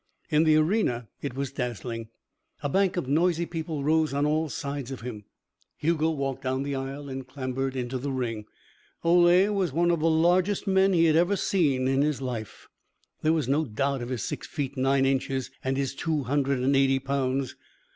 In the arena it was dazzling. A bank of noisy people rose on all sides of him. Hugo walked down the aisle and clambered into the ring. Ole was one of the largest men he had ever seen in his life. There was no doubt of his six feet nine inches and his two hundred and eighty pounds.